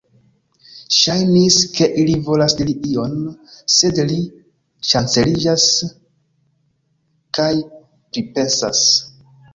Ŝajnis, ke li volas diri ion, sed li ŝanceliĝas kaj pripensas.